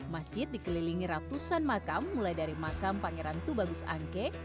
masjid dikelilingi ratusan makam mulai dari makam pangeran tubagus angke